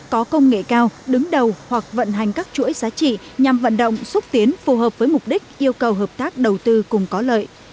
có công nghệ cao đứng đầu hoặc vận hành các chuỗi giá trị nhằm vận động xúc tiến phù hợp với mục đích yêu cầu hợp tác đầu tư cùng có lợi